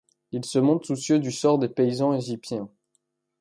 Il se montre soucieux du sort des paysans égyptiens.